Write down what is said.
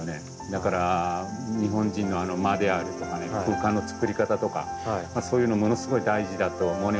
だから日本人のあの間であるとか空間のつくり方とかそういうのものすごい大事だとモネは言ってるわけなので。